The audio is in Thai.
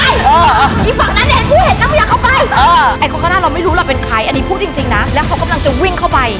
อีฝั่งนั้นไอ้ทู่เห็นก็อยากเข้าไป